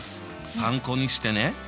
参考にしてね。